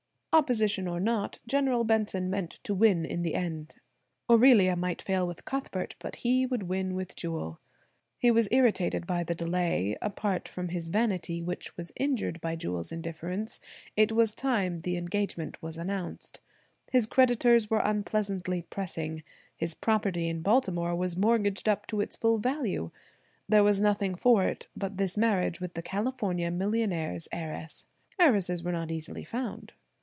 Opposition or not, General Benson meant to win in the end. Aurelia might fail with Cuthbert, but he would win with Jewel. He was irritated by the delay; apart from his vanity which was injured by Jewel's indifference, it was time the engagement was announced. His creditors were unpleasantly pressing. His property in Baltimore was mortgaged up to its full value. There was nothing for it but this marriage with the California millionaire's heiress. Heiresses were not easily found.